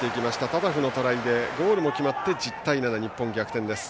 タタフのトライでゴールも決まって１０対７と日本、逆転です。